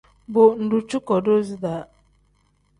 Bo ngdu cuko doozi da.